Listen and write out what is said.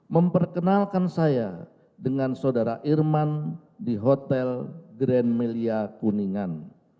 memperkenalkan saya dengan saudara irman di hotel grand melia kuningan